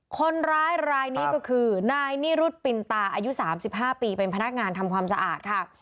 คนร้ายรายนี้ก็คือนายนิรุธปินตาอายุ๓๕ปีเป็นพนักงานทำความสะอาดค่ะ